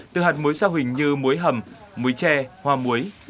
từ hạt mối sa huỳnh như mối hầm mối tre hoa muối